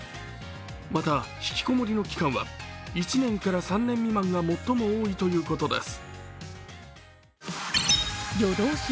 またひきこもりの期間は１年から３年未満が最も多いということです。